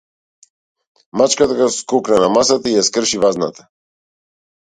Мачката скокна на масата и ја скрши вазната.